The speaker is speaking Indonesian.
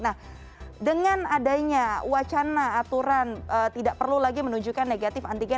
nah dengan adanya wacana aturan tidak perlu lagi menunjukkan negatif antigen